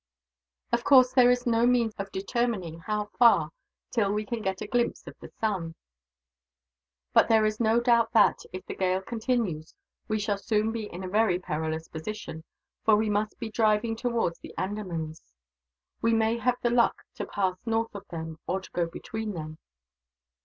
"Of course, there is no means of determining how far till we can get a glimpse of the sun; but there is no doubt that, if the gale continues, we shall soon be in a very perilous position, for we must be driving towards the Andamans. We may have the luck to pass north of them, or to go between them.